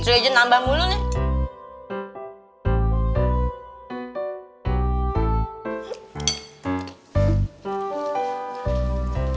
terima kasih nambah mulu nih